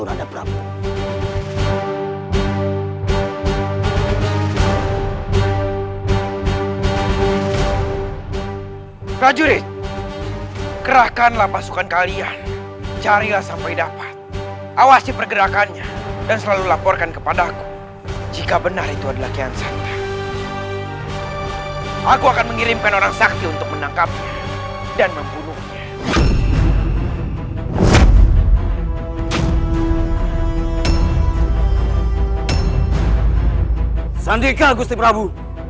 nanda prabu sangat setuju sekali dengan semua itu nanda prabu